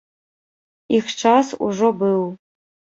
Іх час ужо быў.